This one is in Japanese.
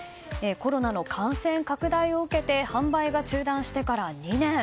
コロナの感染拡大を受けて販売が中断してから２年。